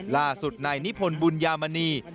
ล่าสุดนายนิพนธ์บุญยามณี